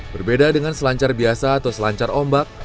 berbeda dengan selancar biasa atau selancar ombak